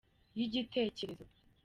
y’igitekerezo